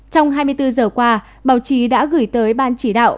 trong hai mươi bốn giờ qua báo chí đã gửi tới ban chỉ đạo